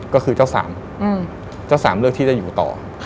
ก็คือเจ้าสามเจ้าสามเลือกที่จะอยู่ต่อ